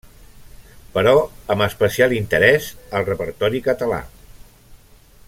Però amb especial interès al repertori català.